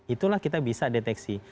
itulah kita bisa deteksi